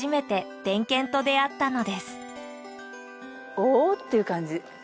「おお！」っていう感じ。